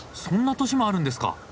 そんな年もあるんですか！？